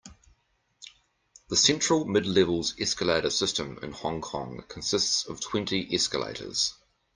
The Central-Midlevels escalator system in Hong Kong consists of twenty escalators.